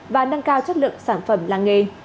và nâng cao chất lượng sản phẩm làng nghề